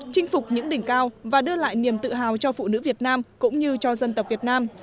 chinh phục những đỉnh cao và đưa lại niềm tự hào cho phụ nữ việt nam cũng như cho dân tộc việt nam